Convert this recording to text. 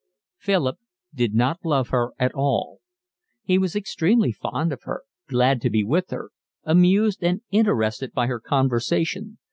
Philip did not love her at all. He was extremely fond of her, glad to be with her, amused and interested by her conversation.